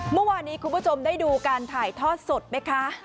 เมื่อวานี้คุณผู้ชมได้ดูการถ่ายทอดสดไหมคะ